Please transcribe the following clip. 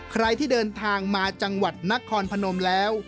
ใครที่เดินทางมาจังหวัดนครพนมแล้ว